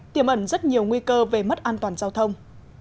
tiềm ẩn rất nhiều nguy cơ về mất an toàn giao thông